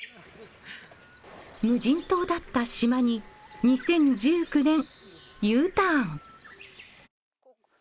無人島だった島に２０１９年Ｕターン。